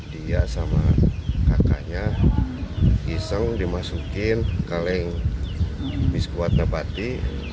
dia sama kakaknya iseng dimasukin kaleng biskuit nebati